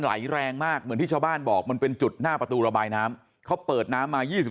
ไหลแรงมากเหมือนที่ชาวบ้านบอกมันเป็นจุดหน้าประตูระบายน้ำเขาเปิดน้ำมา๒๕